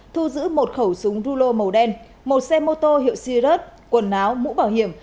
thu giữ một khẩu súng rulo màu đen một xe mô tô hiệu sirus quần áo mũ bảo hiểm